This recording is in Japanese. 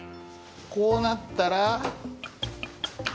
こうなったら。